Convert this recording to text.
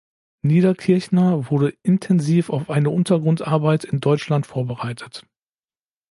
Niederkirchner wurde intensiv auf eine Untergrundarbeit in Deutschland vorbereitet.